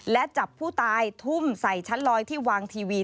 และจับผู้ตายทุ่มใส่ชั้นลอยที่วางทีวี